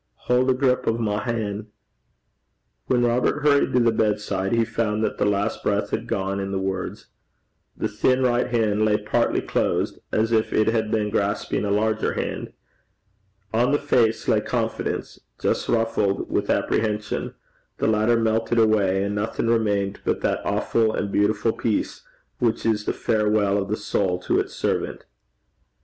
Haud a grup o' my han'.' When Robert hurried to the bedside, he found that the last breath had gone in the words. The thin right hand lay partly closed, as if it had been grasping a larger hand. On the face lay confidence just ruffled with apprehension: the latter melted away, and nothing remained but that awful and beautiful peace which is the farewell of the soul to its servant.